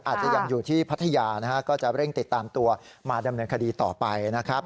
อาจจะยังอยู่ที่พัทยานะฮะก็จะเร่งติดตามตัวมาดำเนินคดีต่อไปนะครับ